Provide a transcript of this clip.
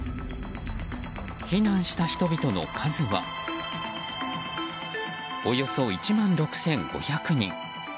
避難した人々の数はおよそ１万６５００人。